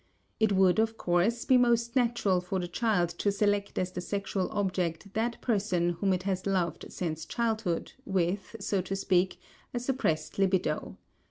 It would, of course, be most natural for the child to select as the sexual object that person whom it has loved since childhood with, so to speak, a suppressed libido.